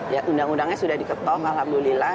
ya undang undangnya sudah diketok alhamdulillah